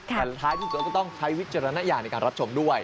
แต่ท้ายที่สุดเราก็ต้องใช้วิจารณญาณในการรับชมด้วย